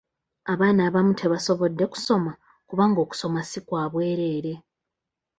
Abaana abamu tebasobodde kusoma kubanga okusoma si kwa bwereere.